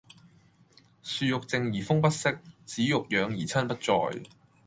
樹欲靜而風不息，子欲養而親不在